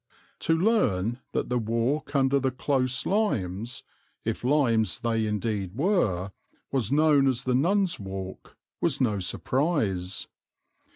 To learn that the walk under the close limes, if limes they indeed were, was known as the Nun's Walk, was no surprise.